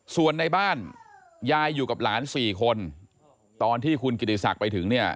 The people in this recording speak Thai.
ส่วนในบ้านยายอยู่กับหลานสี่คนตอนที่คุณกิติศักดิ์ไปถึงเนี่ย